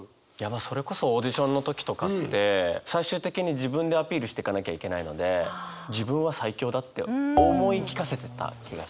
それこそオーディションの時とかって最終的に自分でアピールしてかなきゃいけないので自分は最強だって思い聞かせてた気がします。